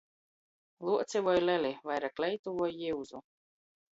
Luoci voi leli? Vaira kleitu voi jiuzu?